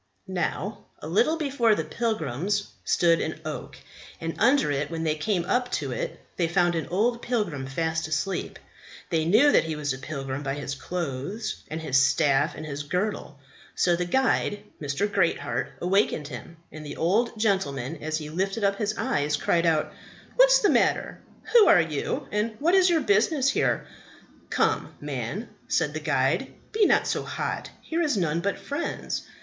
"Now, a little before the pilgrims stood an oak, and under it when they came up to it they found an old pilgrim fast asleep; they knew that he was a pilgrim by his clothes and his staff and his girdle. So the guide, Mr. Greatheart, awaked him, and the old gentleman, as he lifted up his eyes, cried out: What's the matter? Who are you? And what is your business here? Come, man, said the guide, be not so hot; here is none but friends!